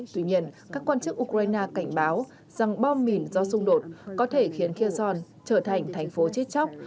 tuy nhiên các quan chức ukraine cảnh báo rằng bom mìn do xung đột có thể khiến kia trở thành thành phố chết chóc